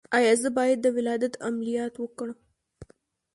ایا زه باید د ولادت عملیات وکړم؟